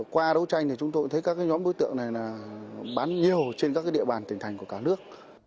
qua đấu tranh thì chúng tôi thấy các nhóm đối tượng này bán nhiều trên các địa bàn tỉnh thành của cả nước